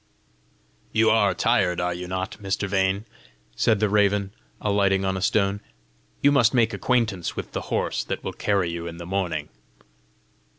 "You are tired, are you not, Mr. Vane?" said the raven, alighting on a stone. "You must make acquaintance with the horse that will carry you in the morning!"